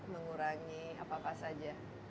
mengurangi apa apa saja